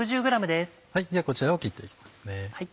ではこちらを切って行きますね。